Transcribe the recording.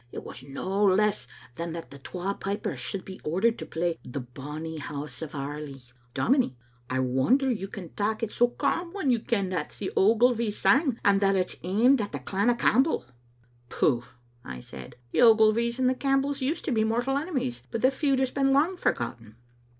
It was no less than that the twa pipers should be ordered to play *The Bonny House o* Airlie.' Dominie, I wonder you can tak it so calm when you ken that's the Ogilvy's sang, and that it's aimed at the clan o' Camp bell." "Pooh!" I said. "The Ogilvys and the Campbells used to be mortal enemies, but the feud has been long forgotten."